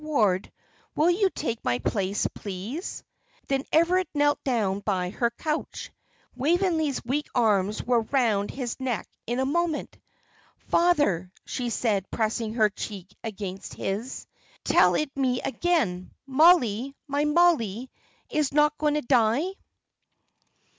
Ward, will you take my place, please?" Then Everard knelt down by her couch. Waveney's weak arms were round his neck in a moment. "Father," she said, pressing her cheek against his, "tell it me again. Mollie my Mollie is not going to die?"